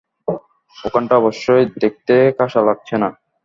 ওখানটা অবশ্য দেখতে খাসা লাগছে না।